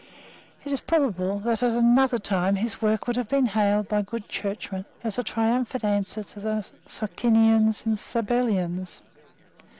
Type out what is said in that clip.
It is probable that, at another time, his work would have been hailed by good Churchmen as a triumphant answer to the Socinians and Sabellians.